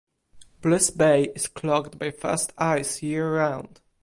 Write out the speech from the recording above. Bliss Bay is clogged by fast ice year round.